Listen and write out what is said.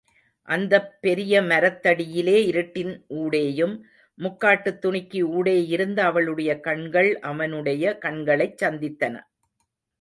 அந்தப் பெரிய மரத்தடியிலே இருட்டின் ஊடேயும், முக்காட்டுத் துணிக்கு ஊடேயிருந்த அவளுடைய கண்கள், அவனுடைய கண்களைச் சந்தித்தன.